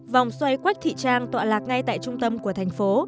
vòng xoay quách thị trang tọa lạc ngay tại trung tâm của thành phố